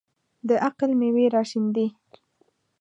د عقل مېوې راشنېدې.